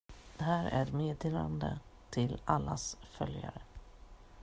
Det här är ett meddelande till allas följare.